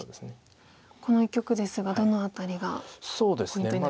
この一局ですがどの辺りがポイントに。